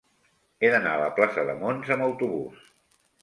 He d'anar a la plaça de Mons amb autobús.